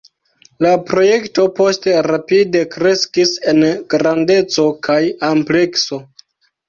La projekto poste rapide kreskis en grandeco kaj amplekso.